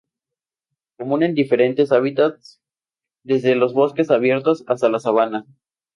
Común en diferentes hábitats, desde los bosques abiertos hasta la sabana.